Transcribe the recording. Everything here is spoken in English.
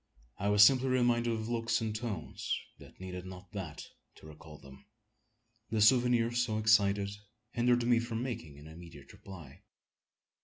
I was simply reminded of looks and tones that needed not that to recall them. The souvenirs so excited hindered me from making an immediate reply.